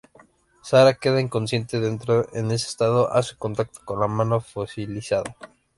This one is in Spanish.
Sarah queda inconsciente, pero en ese estado hace contacto con la mano fosilizada.